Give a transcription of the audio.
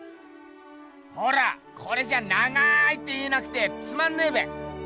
ほらこれじゃあ長いって言えなくてつまんねえべ。